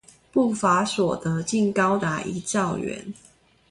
不法所得竟高達一兆元